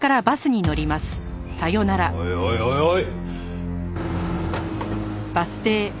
おいおいおいおい！